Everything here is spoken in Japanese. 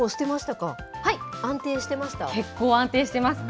結構安定してます。